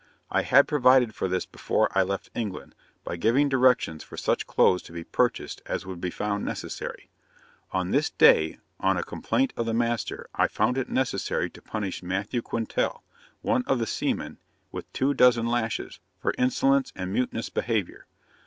I had provided for this before I left England, by giving directions for such clothes to be purchased as would be found necessary. On this day, on a complaint of the master, I found it necessary to punish Matthew Quintal, one of the seamen, with two dozen lashes, for insolence and mutinous behaviour.